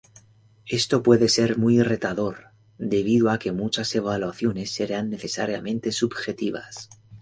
Esto puede ser muy retador, debido a que muchas evaluaciones serán necesariamente subjetivas.